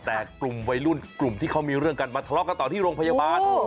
แต่กลุ่มวัยรุ่นกลุ่มที่เขามีเรื่องกันมาทะเลาะกันต่อที่โรงพยาบาล